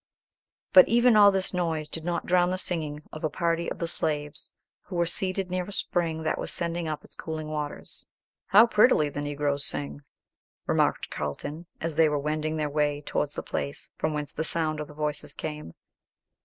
But even all this noise did not drown the singing of a party of the slaves, who were seated near a spring that was sending up its cooling waters. "How prettily the Negroes sing," remarked Carlton, as they were wending their way towards the place from whence the sound of the voices came.